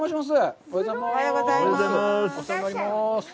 おはようございます。